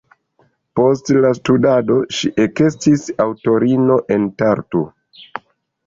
Post la studado ŝi ekestis aŭtorino en Tartu.